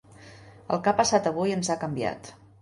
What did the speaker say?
El que ha passat avui ens ha canviat.